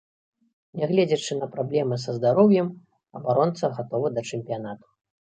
Нягледзячы на праблемы са здароўем абаронца гатовы да чэмпіянату.